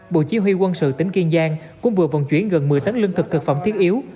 bộ chỉ huy quân sự tỉnh kiên giang cũng vừa vận chuyển gần một mươi tấn lương thực thực phẩm thiết yếu